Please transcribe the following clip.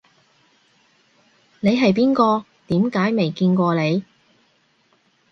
你係邊個？點解未見過你